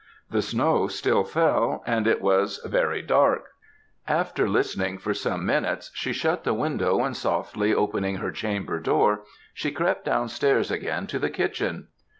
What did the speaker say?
The snow still fell, and it was very dark; after listening for some minutes, she shut the window, and softly opening her chamber door, she crept down stairs again to the kitchen.